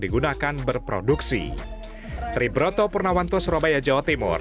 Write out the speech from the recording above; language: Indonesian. digunakan berproduksi tribroto purnawanto surabaya jawa timur